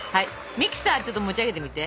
ミキサーちょっと持ち上げてみて。